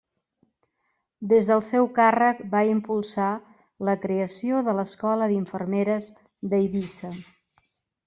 Des del seu càrrec va impulsar la creació de l'Escola d'Infermeres d'Eivissa.